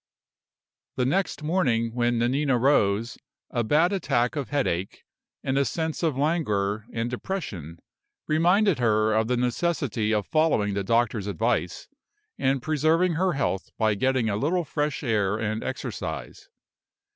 The next morning, when Nanina rose, a bad attack of headache, and a sense of languor and depression, reminded her of the necessity of following the doctor's advice, and preserving her health by getting a little fresh air and exercise.